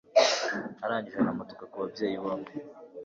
arangije anamutuka ku babyeyi bombi